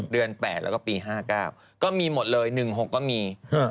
เดือน๘แล้วก็ปี๕๙ก็มีหมดเลย๑๖ก็มี